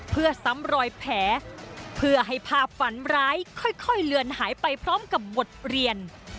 เพื่อซ้ำรอยแผลเพื่อให้ภาพฝันร้ายค่อยเลือนหายไปพร้อมกับบทเรียน